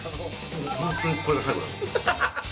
本当にこれが最後だと思う。